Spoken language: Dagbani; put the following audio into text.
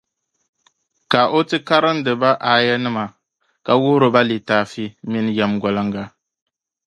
Ka o ti karindi ba A aayanima, ka wuhiri ba litaafi mini yεmgoliŋga